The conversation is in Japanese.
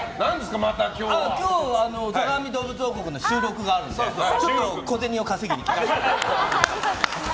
今日は「坂上どうぶつ王国」の収録があるので小銭を稼ぎに来ました。